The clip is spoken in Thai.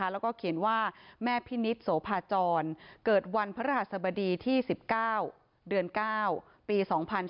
แล้วก็เขียนว่าแม่พินิษฐ์โสภาจรเกิดวันพระรหัสบดีที่๑๙เดือน๙ปี๒๔